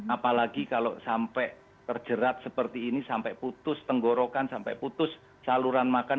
apalagi kalau sampai terjerat seperti ini sampai putus tenggorokan sampai putus saluran makan